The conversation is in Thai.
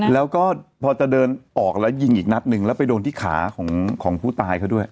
แล้วก็พอจะเดินออกแล้วยิงอีกนัดหนึ่งแล้วไปโดนที่ขาของผู้ตายเขาด้วย